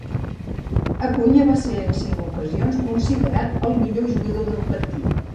Acuña va ser en cinc ocasions considerat el millor jugador del partit.